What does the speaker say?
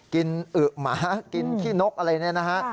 อึ๋หมากินขี้นกอะไรเนี่ยนะฮะ